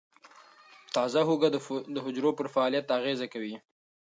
تازه هوږه د حجرو پر فعالیت اغېز کوي.